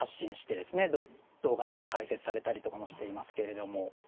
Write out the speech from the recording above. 動画などで解説されたりとかもしていますけれども。